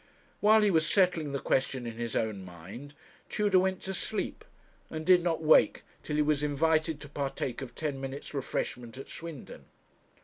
While he was settling the question in his own mind, Tudor went to sleep, and did not wake till he was invited to partake of ten minutes' refreshment at Swindon.